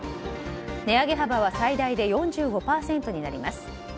値上げ幅は最大で４５％になります。